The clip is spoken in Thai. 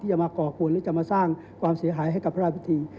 จะมาก่อกวนหรือจะมาสร้างความเสียหายให้กับพระราชพิธี